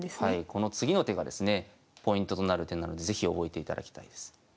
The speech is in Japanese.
この次の手がですねポイントとなる手なので是非覚えていただきたいです。